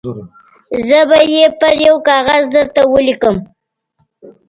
زه به یې پر یوه کاغذ درته ولیکم.